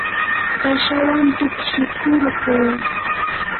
kashawan tukshikurquu.